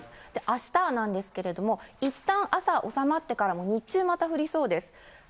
あしたなんですけれども、いったん朝、収まってから、日中また降りそうです。